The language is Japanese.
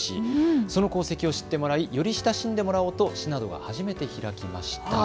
その功績を知ってもらいより親しんでもらおうと市などが初めて開きました。